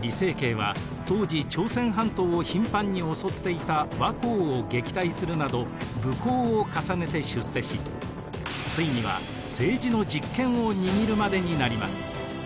李成桂は当時朝鮮半島を頻繁に襲っていた倭寇を撃退するなど武功を重ねて出世しついには政治の実権を握るまでになります。